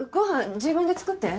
自分で作って。